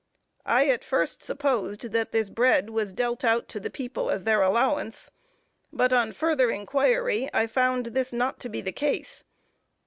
I at first supposed that this bread was dealt out to the people as their allowance; but on further inquiry I found this not to be the case.